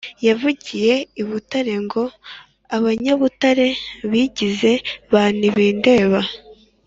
yavugiye i Butare ngo Abanyabutare bigize ba ntibindeba